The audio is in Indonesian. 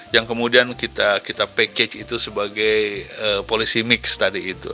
yang kemudian kita package itu sebagai policy mix tadi itu